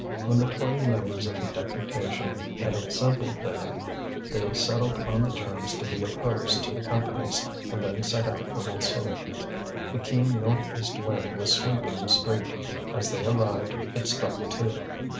When the twenty members of the deputation had assembled there, they settled on the terms to be opposed to the Company's, and then set out for Montsou. The keen north east wind was sweeping the street. As they arrived, it struck two.